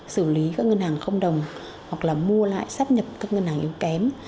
xử lý các ngân hàng không đồng hoặc là mua lại sắp nhập các ngân hàng yếu kém